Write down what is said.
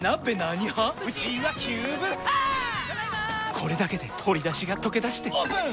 これだけで鶏だしがとけだしてオープン！